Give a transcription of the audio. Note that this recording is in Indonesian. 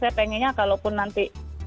saya pengennya kalau pun nanti